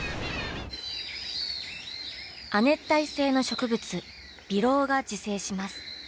亜熱帯性の植物ビロウが自生します。